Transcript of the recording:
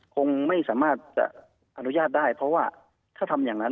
คงไม่สามารถจะอนุญาตได้เพราะว่าถ้าทำอย่างนั้น